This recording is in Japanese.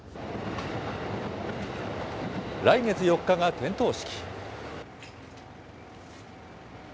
来月４日が点灯式。